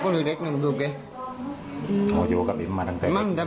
ไม่คือเอ็มไม่ได้ฟังไม่ครับ